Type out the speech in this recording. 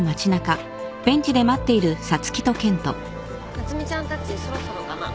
夏海ちゃんたちそろそろかな。